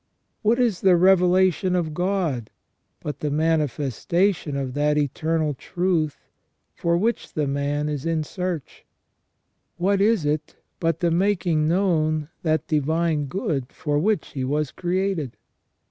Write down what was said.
What is the Revelation of God, but the manifestation of that eternal truth for which the man is in search ? What is it but the making known that divine good for which he was created?